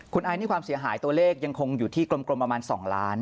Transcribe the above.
คุณไอนี่ความเสียหายตัวเลขยังคงอยู่ที่กลมประมาณ๒ล้าน